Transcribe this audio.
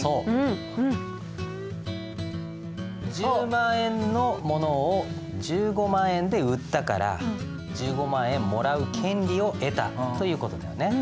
１０万円のものを１５万円で売ったから１５万円もらう権利を得たという事だよね。